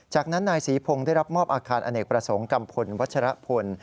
จากนั้นนายศรีพงศ์ได้รับมอบอาคารอเนกประสงค์กัมพลวัชรพล